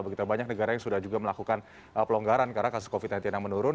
begitu banyak negara yang sudah juga melakukan pelonggaran karena kasus covid sembilan belas yang menurun